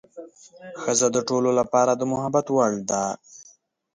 ښځه د ټولو لپاره د محبت وړ ده.